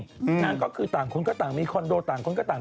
นางก็คือต่างคนก็ต่างมีคอนโดต่างคนก็ต่าง